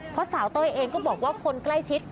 เพราะสาวเต้ยเองก็บอกว่าคนใกล้ชิด